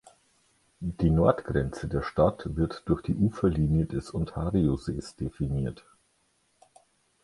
Die Nordgrenze der Stadt wird durch die Uferlinie des Ontariosees definiert.